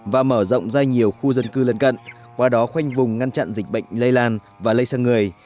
và mở rộng ra nhiều khu dân cư lân cận qua đó khoanh vùng ngăn chặn dịch bệnh lây lan và lây sang người